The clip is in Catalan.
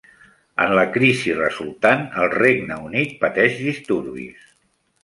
En la crisi resultant, el Regne Unit pateix disturbis.